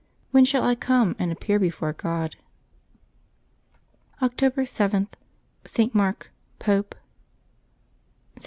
When shall I come and appear before God?" October y.—ST. MARK, Pope. [t.